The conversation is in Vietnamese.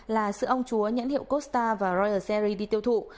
là sữa ong chúa nhãn hiệu costa và royal jerry đi tiêu thụ